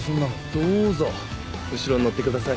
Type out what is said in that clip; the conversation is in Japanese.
どうぞ後ろに乗ってください。